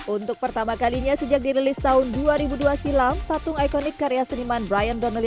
untuk pertama kalinya sejak dirilis tahun dua ribu dua silam patung ikonik karya seniman brian donnely